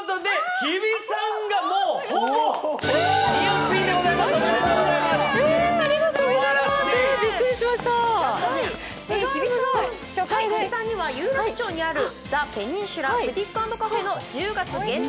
日比さんには有楽町にあるザ・ペニンシュラブティック＆カフェの１０月限定